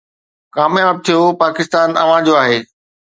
ڪامياب ٿيو پاڪستان اوهان جو آهي